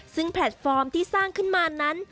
ซึ่งแพลตฟอร์มที่สร้างขึ้นมานั้น